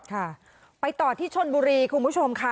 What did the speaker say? ค่ะไปต่อที่ชนบุรีคุณผู้ชมค่ะ